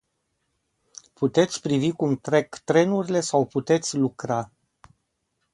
Puteți privi cum trec trenurile sau puteți lucra.